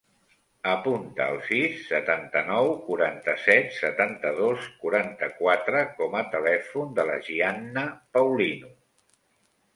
Apunta el sis, setanta-nou, quaranta-set, setanta-dos, quaranta-quatre com a telèfon de la Gianna Paulino.